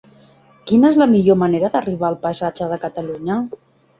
Quina és la millor manera d'arribar al passatge de Catalunya?